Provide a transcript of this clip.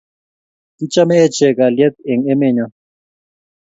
Kichame enchek kalyet en emet nyon